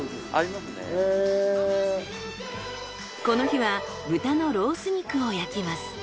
この日は豚のロース肉を焼きます。